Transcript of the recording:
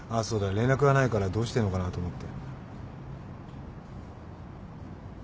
連絡がないからどうしてんのかなと思って。